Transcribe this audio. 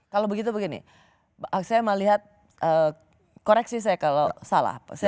kalau begitu begini saya melihat koreksi saya kalau salah